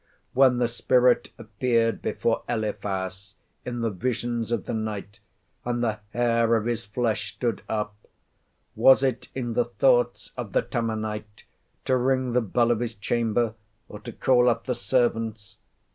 When the spirit appeared before Eliphaz in the visions of the night, and the hair of his flesh stood up, was it in the thoughts of the Temanite to ring the bell of his chamber, or to call up the servants?